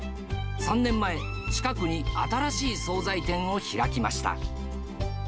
３年前、近くに新しい総菜店を開きました。